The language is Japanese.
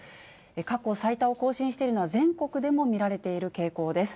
過去最多を更新しているのは、全国でも見られている傾向です。